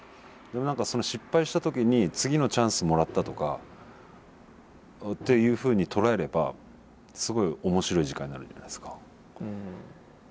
でも何かその失敗した時に次のチャンスもらったとかっていうふうに捉えればすごい面白い時間になるじゃないですか。